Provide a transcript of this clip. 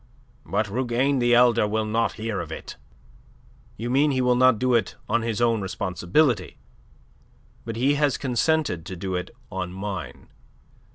"But Rougane the elder will not hear of it." "You mean he will not do it on his own responsibility. But he has consented to do it on mine.